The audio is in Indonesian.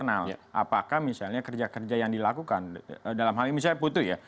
apakah misalnya kerja kerja yang dilakukan dalam hal ini misalnya putri ya